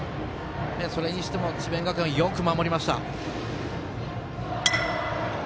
それにしても智弁学園はよく守りました。